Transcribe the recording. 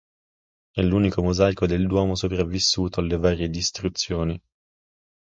È l'unico mosaico del duomo sopravvissuto alle varie distruzioni.